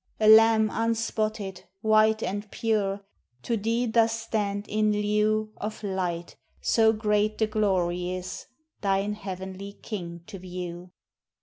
A lamb unspotted, white and pure, To thee doth stand in lieu Of light so great the glory is Thine heavenly king to view.